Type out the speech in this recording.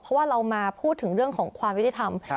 เพราะว่าเรามาพูดถึงเรื่องของความยุติธรรม